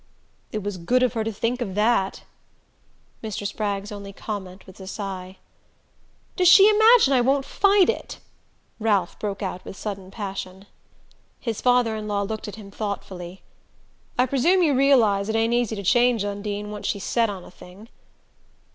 "It was good of her to think of that!" Mr. Spragg's only comment was a sigh. "Does she imagine I won't fight it?" Ralph broke out with sudden passion. His father in law looked at him thoughtfully. "I presume you realize it ain't easy to change Undine, once she's set on a thing."